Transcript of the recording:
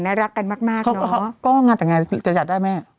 น่ารักกันมากเนอะก็งานแต่งงานจะจัดได้ไหม